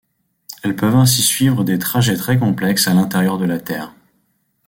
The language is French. Elles peuvent ainsi suivre des trajets très complexes à l'intérieur de la Terre.